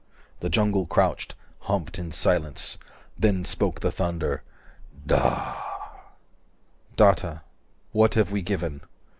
The jungle crouched, humped in silence. Then spoke the thunder DA 400 Datta: what have we given?